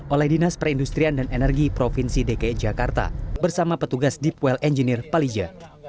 oleh dinas perindustrian dan energi provinsi dki jakarta bersama petugas deep well engineer palija